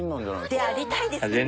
でありたいですけど。